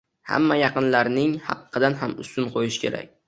Hamma yaqinlarining haqqidan ham ustun qo‘yishi kerak.